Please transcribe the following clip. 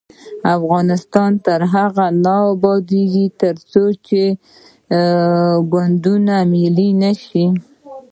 افغانستان تر هغو نه ابادیږي، ترڅو سیاسي ګوندونه ملي نشي.